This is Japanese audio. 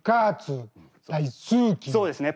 そうですね。